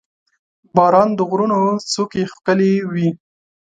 • باران د غرونو څوکې ښکلې کوي.